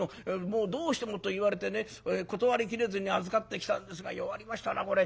どうしてもと言われてね断り切れずに預かってきたんですが弱りましたなこれ。